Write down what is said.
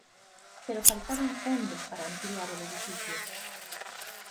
Pero faltaban fondos para ampliar el edificio.